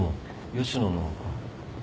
吉野の。